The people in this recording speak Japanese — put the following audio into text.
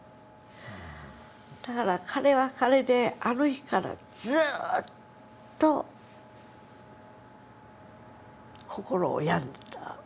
だから彼は彼であの日からずっと心を病んでた。